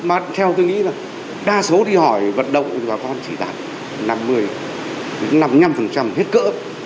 mà theo tôi nghĩ là đa số đi hỏi vận động thì bà con chỉ đạt năm mươi năm mươi năm hết cỡ